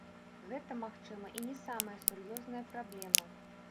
Гэта, магчыма, і не самая сур'ёзная праблема.